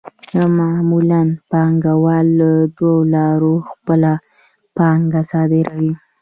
معمولاً پانګوال له دوو لارو خپله پانګه صادروي